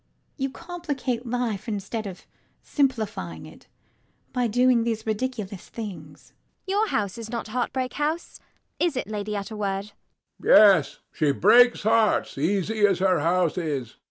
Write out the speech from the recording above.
You complicate life instead of simplifying it by doing these ridiculous things. ELLIE. Your house is not Heartbreak House: is it, Lady Utterword? HECTOR. Yet she breaks hearts, easy as her house is.